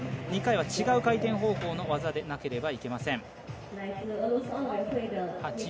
２回は違う回転方向の技でなければいけません。